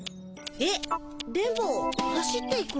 えっ電ボ走っていくの？